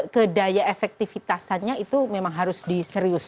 kedaya efektifitasannya itu memang harus diserius